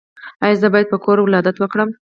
ایا زه باید په کور ولادت وکړم؟